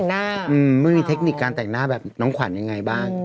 มันมีเทคนิคการแต่งหน้าแบบน้องขวัญยังไงบ้าง